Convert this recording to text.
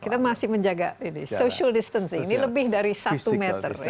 kita masih menjaga social distancing ini lebih dari satu meter